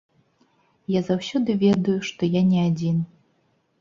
Я заўсёды ведаю, што я не адзін.